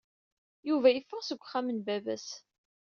Yuba yeffeɣ seg uxxam n baba-s.